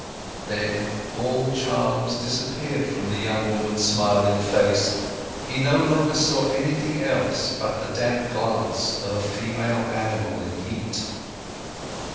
Then, all charms disappeared from the young woman's smiling face, he no longer saw anything else but the damp glance of a female animal in heat.